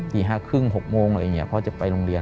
สี่ห้าครึ่งหกโมงอะไรอย่างนี้พ่อจะไปโรงเรียน